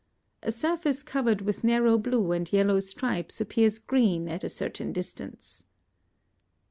A surface covered with narrow blue and yellow stripes appears green at a certain distance.